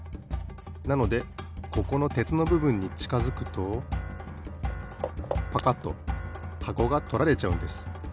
なのでここのてつのぶぶんにちかづくとパカッとはこがとられちゃうんです。